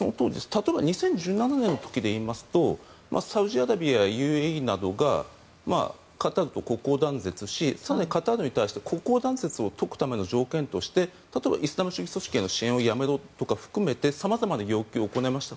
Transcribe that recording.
例えば２０１７年の時でいいますとサウジアラビアやＵＡＥなどがカタールと国交断絶し更にカタールに対して国交断絶を解くための条件として例えばイスラム主義組織への支援をやめろとか含めて様々な要求を行いました。